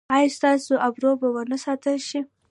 ایا ستاسو ابرو به و نه ساتل شي؟